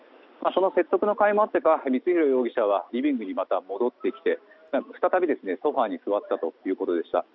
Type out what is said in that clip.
その説得のかいもあってか光弘容疑者はリビングにまた戻ってきて再びソファに座ったということでした。